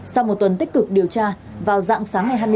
sau một tuần tích cực điều tra vào dạng sáng ngày hai mươi năm